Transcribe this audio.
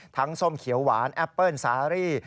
ส้มเขียวหวานแอปเปิ้ลซารี่